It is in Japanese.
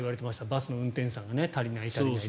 バスの運転手さんが足りない、足りない。